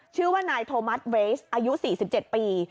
ชื่อว่านายโทมัสเวสอายุ๔๗ปี